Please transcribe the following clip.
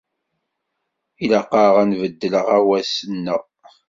Ilaq-aɣ ad nbeddel aɣawas-nneɣ.